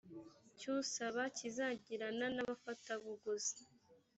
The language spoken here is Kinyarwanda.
cy usaba kizagirana n abafatabuguzi